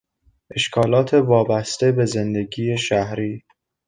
اشکالات وابسته به زندگی شهری